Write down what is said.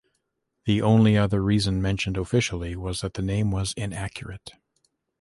The only other reason mentioned officially was that the name was "inaccurate".